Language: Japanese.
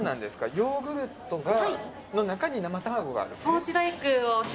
ヨーグルトの中に生卵が。